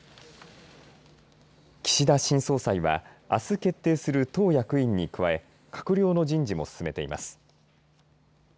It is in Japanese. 岸田新総裁はあす決定する党役員に加え閣僚の人事も進めています。